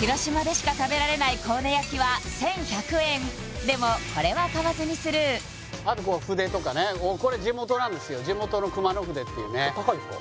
広島でしか食べられないコウネ焼きは１１００円でもこれは買わずにスルーあとこう筆とかねおっこれ地元なんですよ高いんすか？